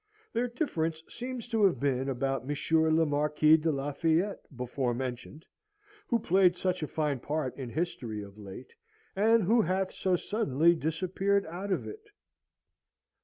Their difference seems to have been about Monsieur le Marquis de Lafayette before mentioned, who played such a fine part in history of late, and who hath so suddenly disappeared out of it.